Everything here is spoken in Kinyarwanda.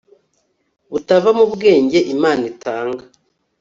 butava mu bwenge imana itanga